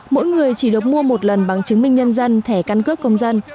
mỗi người chỉ được mua một lần bằng chứng minh nhân dân thẻ căn cước công dân